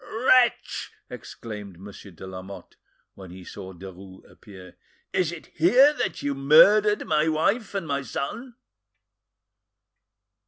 "Wretch!" exclaimed Monsieur de Lamotte, when he saw Derues appear, "is it here that you murdered my wife and my son?"